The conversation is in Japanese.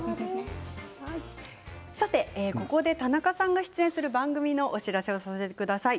ここで田中さんが出演する番組のお知らせをさせてください。